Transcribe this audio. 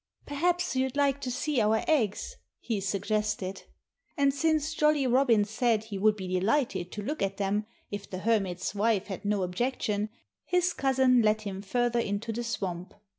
"Perhaps you'd like to see our eggs?" he suggested. And since Jolly Robin said he would be delighted to look at them, if the Hermit's wife had no objection, his cousin led him further into the swamp.